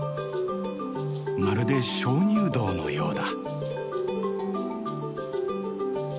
まるで鍾乳洞のようだ。